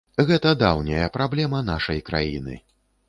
Гэта даўняя праблема нашай краіны.